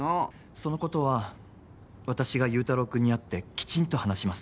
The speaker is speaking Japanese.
その事は私が優太郎くんに会ってきちんと話します。